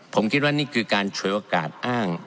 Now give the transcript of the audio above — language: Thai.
ผมคิดว่านี่คือการฉวยโอกาสอ้าง